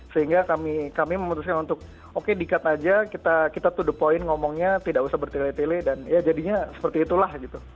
sehingga kami memutuskan untuk oke di cut aja kita to the point ngomongnya tidak usah bertele tele dan ya jadinya seperti itulah gitu